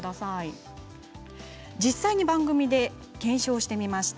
実際に番組で検証しました。